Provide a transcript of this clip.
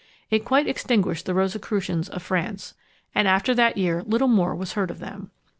It quite extinguished the Rosicrucians of France; and after that year little more was heard of them.